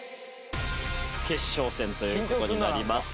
決勝戦という事になります。